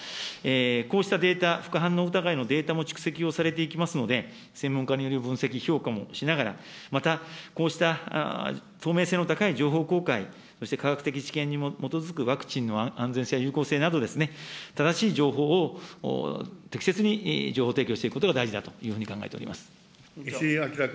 こうしたデータ、副反応疑いのデータも蓄積をされていきますので、専門家による分析、評価もしながら、またこうした透明性の高い情報公開、そして科学的知見に基づくワクチンの安全性、有効性など、正しい情報を適切に情報提供していくことが大事だというふうに考えてお石井章君。